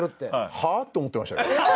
「はあ？」って思ってましたよ。